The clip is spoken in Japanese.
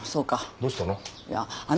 どうしたの？